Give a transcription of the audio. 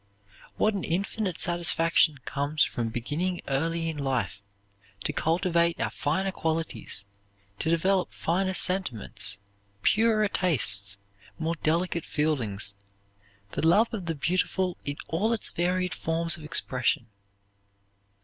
What an infinite satisfaction comes from beginning early in life to cultivate our finer qualities, to develop finer sentiments, purer tastes, more delicate feelings, the love of the beautiful in all its varied forms of expression!